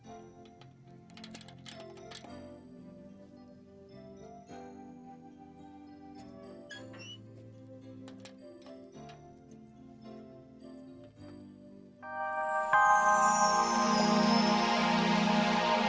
lihatlah damar itu dapat ditarik airnya